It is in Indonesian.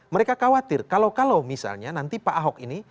mereka khawatir kalau kalau misalnya nanti pak ahok ini